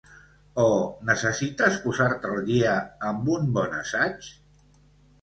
O necessites posar-te al dia amb un bon assaig?